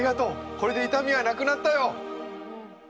これで痛みはなくなったよ。